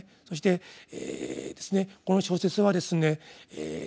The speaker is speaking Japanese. そしてこの小説はですね